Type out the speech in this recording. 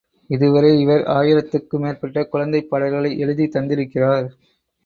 இதுவரை இவர் ஆயிரத்துக்கு மேற்பட்ட குழந்தைப் பாடல்களை எழுதித் தந்திருக்கிறார்.